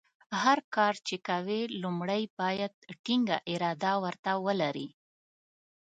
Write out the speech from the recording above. هر کار چې کوې لومړۍ باید ټینګه اراده ورته ولرې.